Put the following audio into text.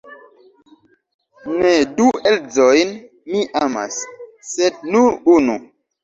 Ne du edzojn mi amas, sed nur unu.